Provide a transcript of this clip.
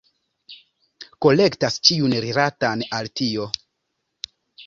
Kolektas ĉion rilatan al tio.